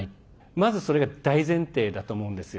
まず、それが大前提だと思うんですよ。